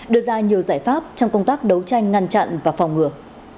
đưa ra nhiều giải pháp trong công tác đấu tranh ngăn chặn và phòng ngừa